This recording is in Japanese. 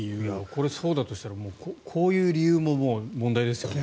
これ、そうだとしたらこういう理由も問題ですけどね。